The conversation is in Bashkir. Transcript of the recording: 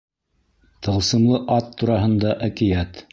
ТЫЛСЫМЛЫ АТ ТУРАҺЫНДА ӘКИӘТ